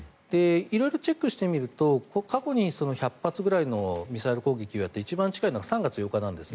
色々チェックしてみると過去に１００発くらいのミサイル攻撃をやった一番近いのは３月８日なんです。